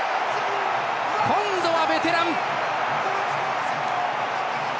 今度はベテラン！